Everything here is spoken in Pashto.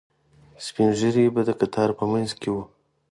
سپینږیري به د کتار په منځ کې وو.